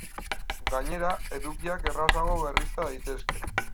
Gainera, edukiak errazago berrizta daitezke.